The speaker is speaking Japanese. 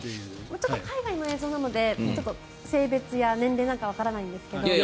ちょっと海外の映像なので性別や年齢なんかはわからないんですが。